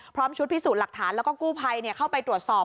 ชุดพิสูจน์หลักฐานแล้วก็กู้ภัยเข้าไปตรวจสอบ